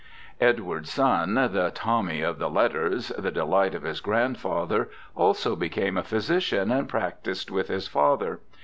Edward's son, the 'Tommy' of the letters, the delight of his grandfather, also became a physician, and practised with his father.